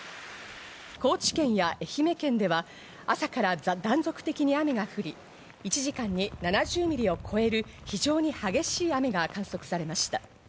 高知県や愛媛県では朝から断続的に雨が降り、１時間に７０ミリを超える非常に激しい雨が観測されました。